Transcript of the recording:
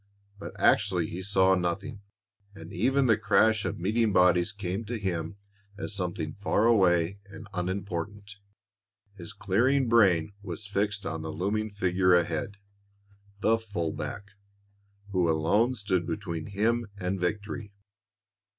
But actually he saw nothing, and even the crash of meeting bodies came to him as something far away and unimportant. His clearing brain was fixed on the looming figure ahead, the full back, who alone stood between him and victory.